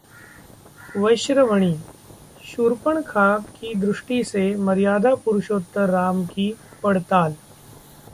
वैश्रवणी: शूर्पणखा की दृष्टि से मर्यादापुरुषोत्तम राम की पड़ताल